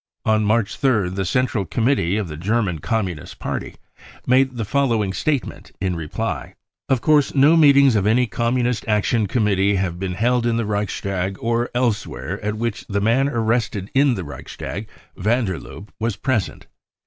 On March 3rd the Central Committee of the German Communist Party made the following statement in reply :" Of course no meetings of any Communist Action Com mittee have been held in the Reichstag or elsewhere at which the man arrested in the Reichstag, van der Lubbe, was present.